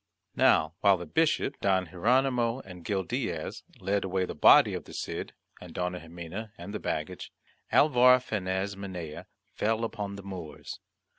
Now, while the Bishop Don Hieronymo and Gil Diaz led away the body of the Cid, and Dona Ximena, and the baggage, Alvar Fanez Minaya fell upon the Moors.